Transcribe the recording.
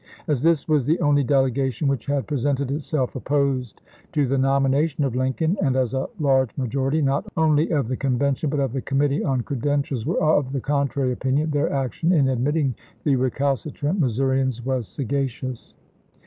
As this was the only delegation which had presented itself opposed to the nomination of Lin coln, and as a large majority, not only of the Con vention, but of the committee on credentials, were of the contrary opinion, their action in admitting the recalcitrant Missourians was sagacious.